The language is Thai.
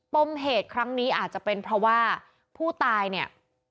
ปมเหตุครั้งนี้อาจจะเป็นเพราะว่าผู้ตายเนี่ย